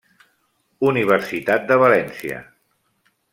Universitat de València.